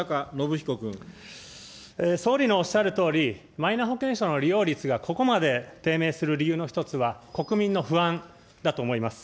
総理のおっしゃるとおり、マイナ保険証の利用率がここまで低迷する理由の一つは、国民の不安だと思います。